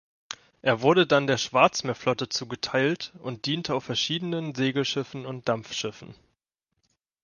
Er wurde dann der Schwarzmeerflotte zugeteilt und diente auf verschiedenen Segelschiffen und Dampfschiffen.